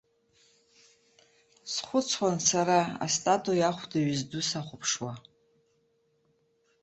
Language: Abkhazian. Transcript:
Схәыцуан сара, астатуиа ахәда ҩыз ду сахәаԥшуа.